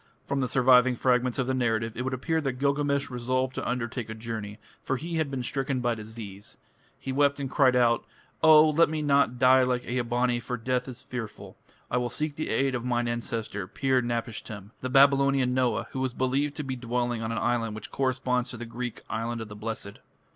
From the surviving fragments of the narrative it would appear that Gilgamesh resolved to undertake a journey, for he had been stricken by disease. He wept and cried out, "Oh! let me not die like Ea bani, for death is fearful. I will seek the aid of mine ancestor, Pir napishtim" the Babylonian Noah, who was believed to be dwelling on an island which corresponds to the Greek "Island of the Blessed".